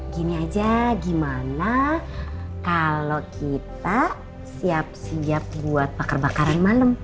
gini aja gimana kalau kita siap siap buat bakar bakaran malam